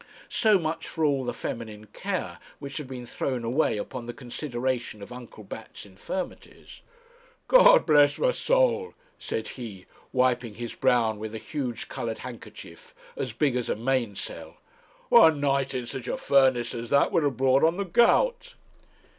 So much for all the feminine care which had been thrown away upon the consideration of Uncle Bat's infirmities. 'God bless my soul!' said he, wiping his brow with a huge coloured handkerchief as big as a mainsail, 'one night in such a furnace as that would have brought on the gout.'